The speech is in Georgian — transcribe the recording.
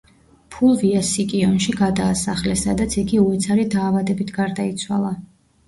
ფულვია სიკიონში გადაასახლეს, სადაც იგი უეცარი დაავადებით გარდაიცვალა.